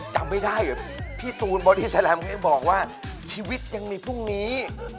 จำไม่ได้เหรอพี่ตูนบอดี้แลมยังบอกว่าชีวิตยังมีพรุ่งนี้